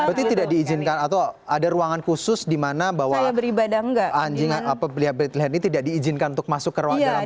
berarti tidak diizinkan atau ada ruangan khusus di mana bahwa anjing belia ini tidak diizinkan untuk masuk ke ruang dalam